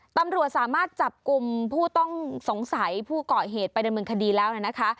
ตำรวจสามารถจับกลุ่มผู้ต้องสงสัยผู้เกาะเหตุไปดำเนินคดีแล้วนะคะ